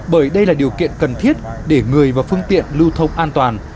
bởi đây là điều kiện cần thiết để người và phương tiện lưu thông an toàn